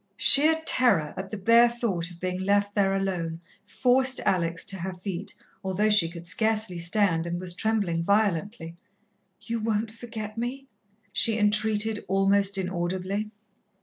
Sheer terror at the bare thought of being left there alone forced Alex to her feet, although she could scarcely stand, and was trembling violently. "You won't forget me?" she entreated almost inaudibly.